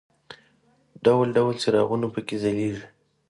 ډول ډول څراغونه په کې ځلېږي.